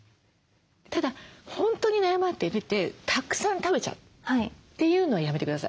ただ本当に悩まれててたくさん食べちゃうというのはやめて下さい。